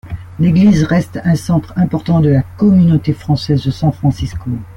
L'église reste un centre important de la communauté française de San Francisco.